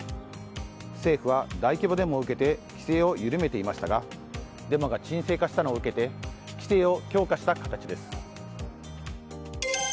政府は大規模デモを受けて規制を緩めていましたがデモが鎮静化したのを受けて規制を強化した形です。